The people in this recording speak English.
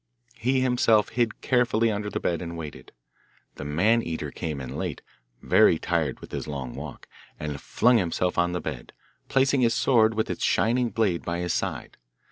He himself hid carefully under the bed and waited. The Man eater came in late, very tired with his long walk, and flung himself on the bed, placing his sword with its shining blade by his side.